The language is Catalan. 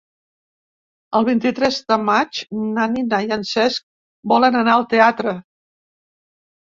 El vint-i-tres de maig na Noa i en Cesc volen anar al teatre.